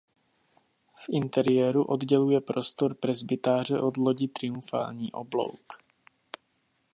V interiéru odděluje prostor presbytáře od lodi triumfální oblouk.